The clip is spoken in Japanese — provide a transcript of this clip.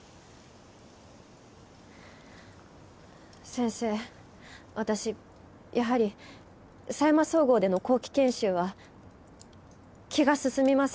先生私やはり佐山総合での後期研修は気が進みません。